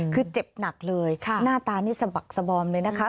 คือเจ็บหนักเลยหน้าตานี่สะบักสบอมเลยนะคะ